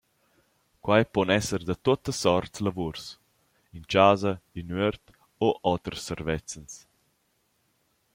Quai pon esser da tuotta sorts lavuors, in chasa, in üert o oters servezzans.